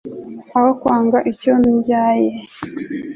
aho kwanga icyo mbyaye